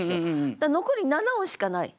だから残り７音しかない。